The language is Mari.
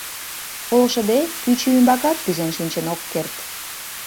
Полшыде пӱчӧ ӱмбакат кӱзен шинчын ок керт.